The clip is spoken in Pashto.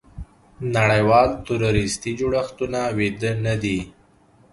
نړیوال تروریستي جوړښتونه ویده نه دي.